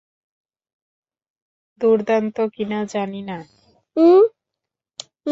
দুর্দান্ত কিনা জানি না।